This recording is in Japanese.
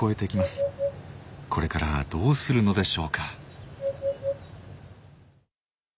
これからどうするのでしょうか？